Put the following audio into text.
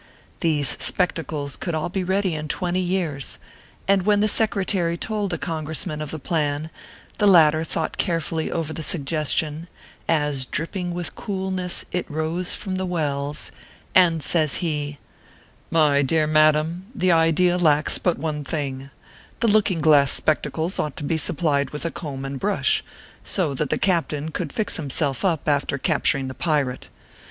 These specta cles could all be ready in twenty years ; and when the Secretary told a Congressman of the plan, the latter thought carefully over the suggestion, "as dripping with coolness it rose from the Welles," and says he :" My dear madam, the idea lacks but one thing the looking glass spectacles ought to be supplied with a comb and brush, so that the captain could fix him self up after capturing the pirate.